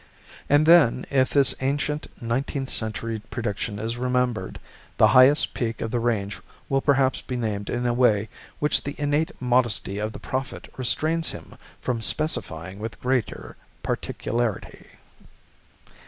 And then, if this ancient, nineteenth century prediction is remembered, the highest peak of the range will perhaps be named in a way which the innate modesty of the prophet restrains him from specifying with greater particularity.